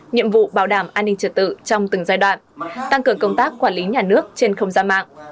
nhiệm vụ bảo đảm an ninh trật tự trong từng giai đoạn tăng cường công tác quản lý nhà nước trên không gian mạng